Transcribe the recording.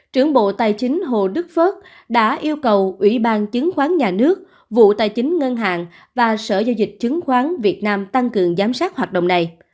trưởng bộ tài chính hồ đức phước đã yêu cầu ủy ban chứng khoán nhà nước vụ tài chính ngân hàng và sở giao dịch chứng khoán việt nam tăng cường giám sát hoạt động này